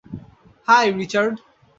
High, Richard.